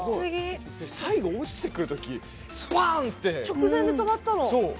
最後、落ちてくるときバンって直前で止まったの。